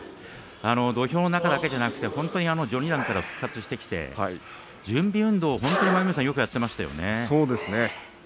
土俵の中だけではなくて本当に序二段から復活してきて準備運動をよくやってましたよね。